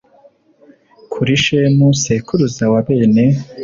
Kuri shemu sekuruza wa bene